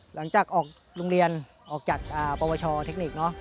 หลังจากออกโรงเรียนออกจากปวชเทคนิคเนอะ